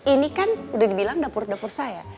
ini kan udah dibilang dapur dapur saya